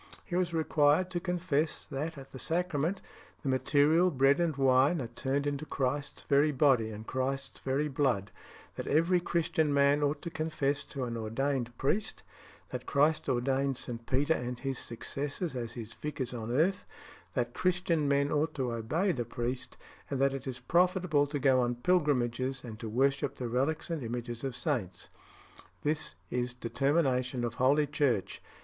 He was required to confess that at the sacrament the material bread and wine are turned into Christ's very body and Christ's very blood; that every Christian man ought to confess to an ordained priest; that Christ ordained St. Peter and his successors as his vicars on earth; that Christian men ought to obey the priest; and that it is profitable to go on pilgrimages and to worship the relics and images of saints. "This is determination of Holy Church.